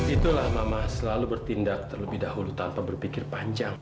itulah mama selalu bertindak terlebih dahulu tanpa berpikir panjang